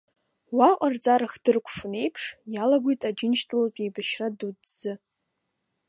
Уаҟа рҵара хдыркәшон еиԥш, иалагоит Аџьынџьтәылатә еибашьра дуӡӡа.